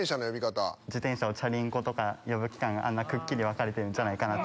自転車を「チャリンコ」とか呼ぶくっきり分かれてんじゃないかなと。